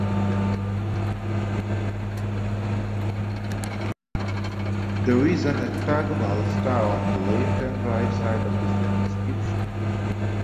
There is an octagonal star on the left and right sides of the inscription.